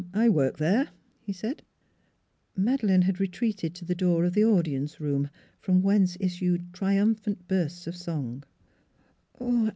" I work there," he said. Madeleine had retreated to the door of the audience room, from whence issued triumphant bursts of song.